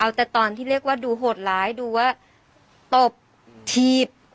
เอาแต่ตอนที่เรียกว่าดูโหดร้ายดูว่าตบถีบ